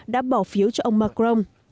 đã bỏ phiếu cho ông macron